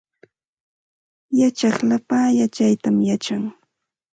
Yachaq lapa yachaytam yachan